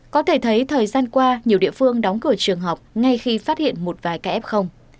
có thể thấy thời gian qua nhiều địa phương đóng cửa trường học ngay khi phát hiện một vài cái ép không